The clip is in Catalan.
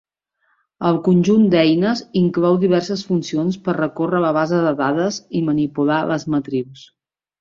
El conjunt d'eines inclou diverses funcions per recórrer la base de dades i manipular les matrius.